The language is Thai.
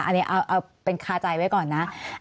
อันนี้เอาเป็นคาใจไว้ก่อนนะ